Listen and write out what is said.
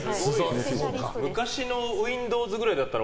昔のウィンドウズぐらいだったら